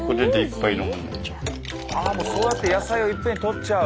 そうやって野菜をいっぺんにとっちゃう。